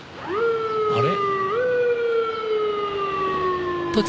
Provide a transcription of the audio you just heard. あれ？